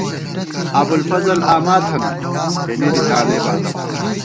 ابوالفضل آما تھنہ ، تېنے دی تانئی بالہ